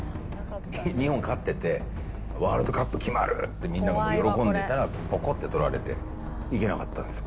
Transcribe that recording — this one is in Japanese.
日本勝ってて、ワールドカップ決まるって、もうみんなで喜んでたら、ぼこって取られて、行けなかったんですよ。